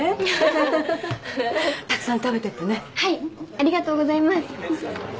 ありがとうございます。